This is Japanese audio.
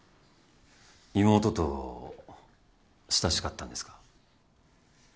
妹と親しかったんですか？